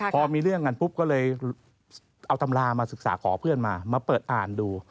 พอมีเรื่องกันปุ๊บก็เลยเอาตำรามาศึกษาขอเพื่อนมามาเปิดอ่านดู